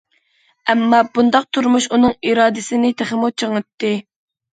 ئەمما، بۇنداق تۇرمۇش ئۇنىڭ ئىرادىسىنى تېخىمۇ چىڭىتتى.